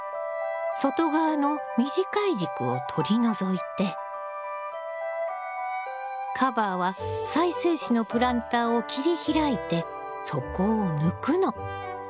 外側の短い軸を取り除いてカバーは再生紙のプランターを切り開いて底を抜くの。